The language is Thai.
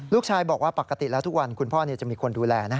ลูกชายบอกว่าปกติแล้วทุกวันคุณพ่อจะมีคนดูแล